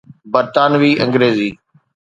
برطانوي انگريزي